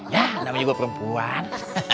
ya namanya gue perempuan